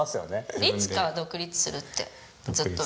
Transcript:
いつかは独立するってずっと。